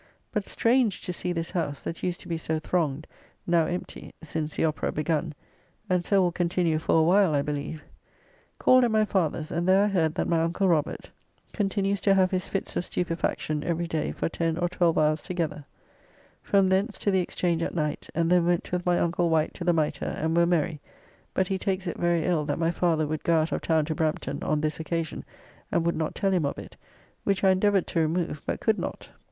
But strange to see this house, that used to be so thronged, now empty since the Opera begun; and so will continue for a while, I believe. Called at my father's, and there I heard that my uncle Robert [Robert Pepys, of Brampton, who died on the following day.] continues to have his fits of stupefaction every day for 10 or 12 hours together. From thence to the Exchange at night, and then went with my uncle Wight to the Mitre and were merry, but he takes it very ill that my father would go out of town to Brampton on this occasion and would not tell him of it, which I endeavoured to remove but could not.